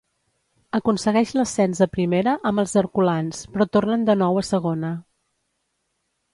Aconsegueix l'ascens a Primera amb els herculans, però tornen de nou a Segona.